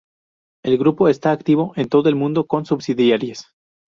El grupo está activo en todo el mundo con subsidiarias.